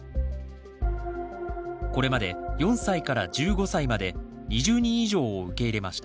これまで４歳から１５歳まで２０人以上を受け入れました。